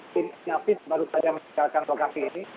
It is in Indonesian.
pin syafiq baru saja mengekalkan lokasi ini